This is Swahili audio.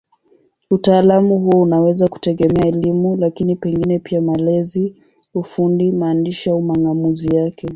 Utaalamu huo unaweza kutegemea elimu, lakini pengine pia malezi, ufundi, maandishi au mang'amuzi yake.